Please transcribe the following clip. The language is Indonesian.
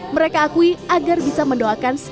mereka akui agar bisa mendoakan